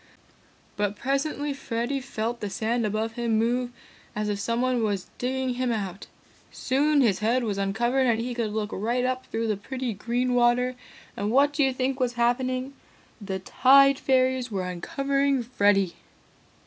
"But presently Freddy felt the sand above him move as if someone was digging him out. Soon his head was uncovered and he could look right up through the pretty green water, and what do you think was happening? The Tide Fairies were uncovering Freddy!